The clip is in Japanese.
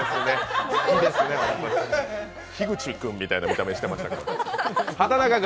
樋口君みたいな見た目してましたけど。